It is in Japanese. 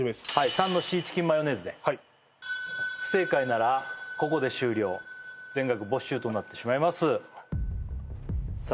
３のシーチキンマヨネーズで不正解ならここで終了全額没収となってしまいますさあ